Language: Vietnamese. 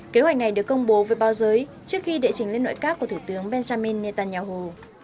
kế hoạch này được công bố với bao giới trước khi đệ trình lên nội các của thủ tướng benjamin netanyahu